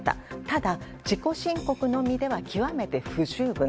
ただ、自己申告のみではきわめて不十分。